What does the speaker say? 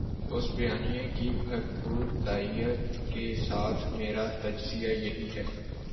اس بیانیے کی بھرپور تائید کے ساتھ میرا تجزیہ یہی ہے